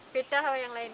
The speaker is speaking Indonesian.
bedak sama yang lain